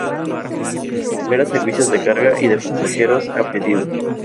Opera servicios de carga y de pasajeros a pedido.